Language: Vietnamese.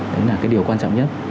đó là cái điều quan trọng nhất